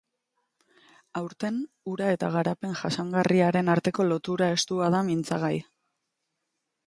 Aurten, ura eta garapen jasangarriaren arteko lotura estua da mintzagai.